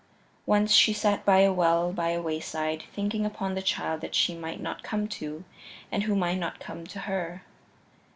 Once she sat by a well by a wayside, thinking upon the child that she might not come to and who might not come to her.